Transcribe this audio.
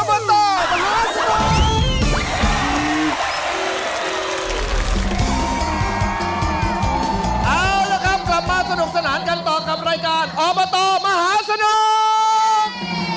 เอาละครับกลับมาสนุกสนานกันต่อกับรายการอบตมหาสนุก